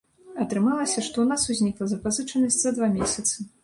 Атрымалася, што ў нас узнікла запазычанасць за два месяцы.